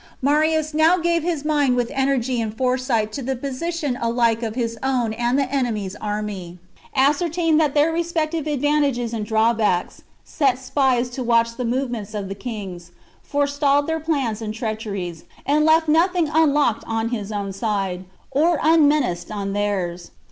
Marius now gave his mind with energy and fore sight to the position alike of his own and the enemy's army, ascertained their respective advantages and drawbacks, set spies to watch the movements of the kings, forestalled their plans and treacheries, and left nothing unlooked to on his own side, or unmenaced on theirs.